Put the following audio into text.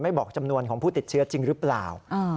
บอกจำนวนของผู้ติดเชื้อจริงหรือเปล่า